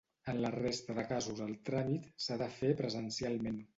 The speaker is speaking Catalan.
En la resta de casos el tràmit s'ha de fer presencialment.